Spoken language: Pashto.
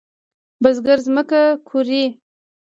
بزګر زمکه کوري.